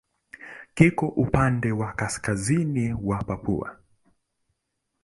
Kiko upande wa kaskazini wa Papua.